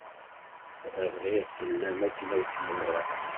Rɣiɣ fell-am akken ad kem-ẓreɣ.